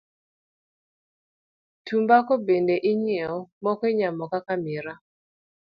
Tumbako bende ing'weyo, moko inyamo kaka miraa.